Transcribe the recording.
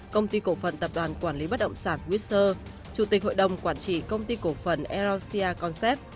công ty cổ phần tập đoàn quản lý bất động sản whistler chủ tịch hội đồng quản trị công ty cổ phần erosia concept